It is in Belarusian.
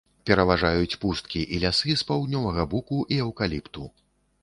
Пераважаюць пусткі і лясы з паўднёвага буку і эўкаліпту.